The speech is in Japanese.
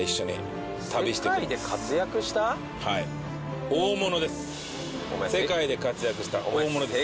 はい世界で活躍した大物です